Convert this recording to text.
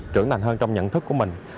trưởng thành hơn trong nhận thức của mình